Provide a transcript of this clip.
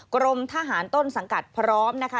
กรมทหารต้นสังกัดพร้อมนะคะ